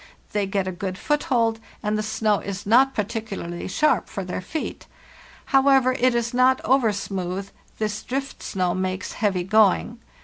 They get a good foothold, and the snow is not particularly sharp for their feet; however, it is not over smooth; this driftsnow makes heavy going.